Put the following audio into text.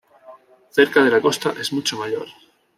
Cerca de la costa es mucho mayor.